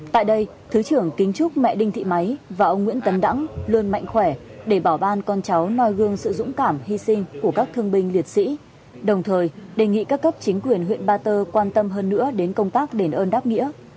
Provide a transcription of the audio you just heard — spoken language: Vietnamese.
tại đây thứ trưởng kính chúc mẹ đinh thị máy và ông nguyễn tấn đẳng luôn mạnh khỏe để bảo ban con cháu noi gương sự dũng cảm hy sinh của các thương binh liệt sĩ đồng thời đề nghị các cấp chính quyền huyện ba tơ quan tâm hơn nữa đến công tác đền ơn đáp nghĩa